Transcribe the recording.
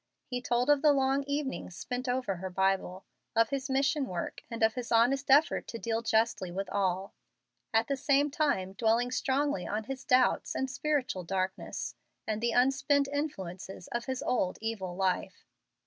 He told of the long evenings spent over her Bible; of his mission work, and of his honest effort to deal justly with all; at the same time dwelling strongly on his doubts and spiritual darkness, and the unspent influences of his old evil life.